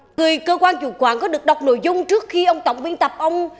người cơ quan chủ quản có được đọc nội dung trước khi ông tổng viên tập